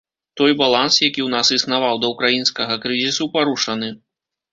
Той баланс, які ў нас існаваў да ўкраінскага крызісу, парушаны.